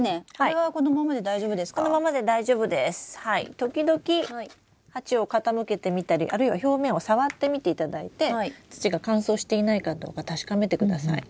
時々鉢を傾けてみたりあるいは表面を触ってみていただいて土が乾燥していないかどうか確かめてください。